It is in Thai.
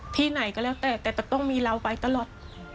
ที่ไหนก็แล้วแต่แต่จะต้องมีเราไปตลอด